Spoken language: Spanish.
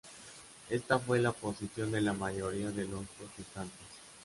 Esta fue la posición de la mayoría de los protestantes.